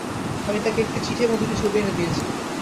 আমি তাঁকে একটি চিঠি এবং দুটি ছবি এনে দিয়েছি।